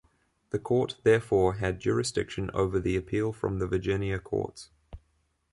The Court therefore had jurisdiction over the appeal from the Virginia courts.